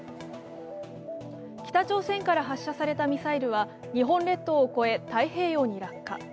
北朝鮮から発射されたミサイルは日本列島を越え太平洋に落下。